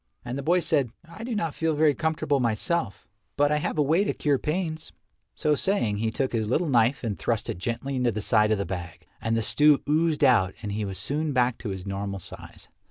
And the boy said, "I do not feel very comfortable myself, but I have a way to cure pains." So saying he took his little knife and thrust it gently into the side of the bag and the stew oozed out and he was soon back to his normal size.